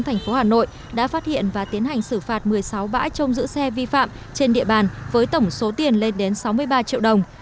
thành phố hà nội đã phát hiện và tiến hành xử phạt một mươi sáu bãi trong giữ xe vi phạm trên địa bàn với tổng số tiền lên đến sáu mươi ba triệu đồng